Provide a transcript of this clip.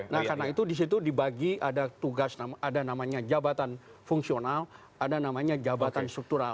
nah karena itu disitu dibagi ada tugas ada namanya jabatan fungsional ada namanya jabatan struktural